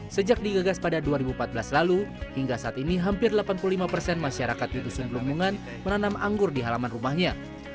sejak digagas pada dua ribu empat belas lalu hingga saat ini hampir delapan puluh lima persen masyarakat di dusun gelumbungan menanam anggur di halaman rumahnya